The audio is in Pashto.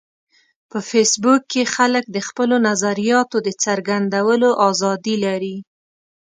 په فېسبوک کې خلک د خپلو نظریاتو د څرګندولو ازادي لري